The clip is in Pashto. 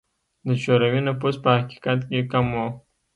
د شوروي نفوس په حقیقت کې کم و.